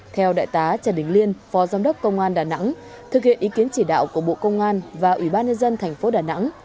theo đại tá trần đình liên phó giám đốc công an đà nẵng thực hiện ý kiến chỉ đạo của bộ công an và ủy ban nhân dân tp đà nẵng